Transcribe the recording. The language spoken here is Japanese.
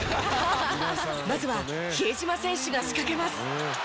まずは比江島選手が仕掛けます。